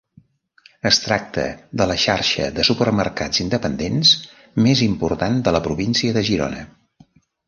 Es tracta de la xarxa de supermercats independents més important de la província de Girona.